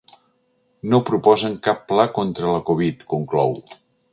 “No proposen cap pla contra la covid”, conclou.